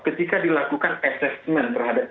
ketika dilakukan assessment terhadap